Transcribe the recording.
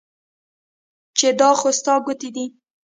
چې دا خو ستا ګوتې دي